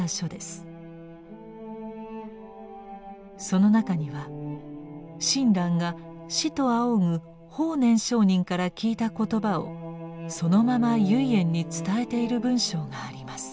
その中には親鸞が師と仰ぐ法然上人から聞いた言葉をそのまま唯円に伝えている文章があります。